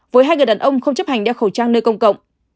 với hai người đàn ông không chấp hành đeo khẩu trang nơi công cộng